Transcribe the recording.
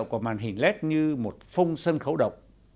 của màn hình led như một phông sân khấu độc